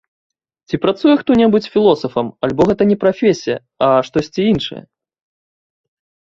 Ці працуе хто-небудзь філосафам альбо гэта не прафесія, а штосьці іншае?